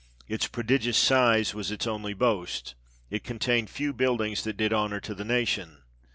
" Its prodigious size was its only boast : it contained few buildings that did honour to the nation.